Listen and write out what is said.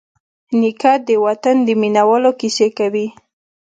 نیکه د وطن د مینوالو کیسې کوي.